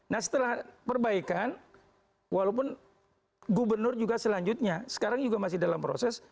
nah setelah perbaikan walaupun gubernur juga selanjutnya sekarang juga masih dalam proses